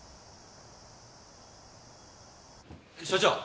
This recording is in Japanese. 所長！